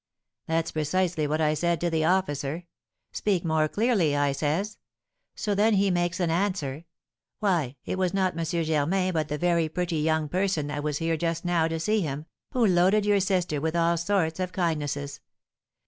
"That's precisely what I said to the officer. 'Speak more clearly,' I says. So then he makes answer, 'Why, it was not M. Germain, but the very pretty young person that was here just now to see him, who loaded your sister with all sorts of kindnesses.